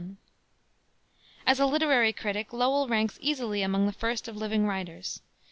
As a literary critic Lowell ranks easily among the first of living writers.